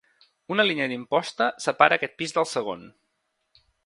Una línia d'imposta separa aquest pis del segon.